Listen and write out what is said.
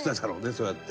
そうやって。